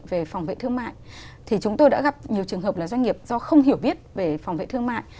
về phòng vệ thương mại thì chúng tôi đã gặp nhiều trường hợp là doanh nghiệp do không hiểu biết về phòng vệ thương mại